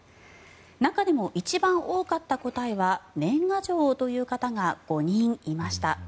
中でも一番多かった答えが年賀状という方が５人いました。